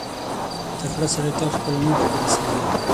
• تکړه سړی تل خپلو موخو ته رسېږي.